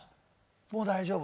もう大丈夫。